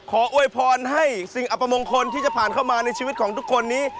อวยพรให้สิ่งอัปมงคลที่จะผ่านเข้ามาในชีวิตของทุกคนนี้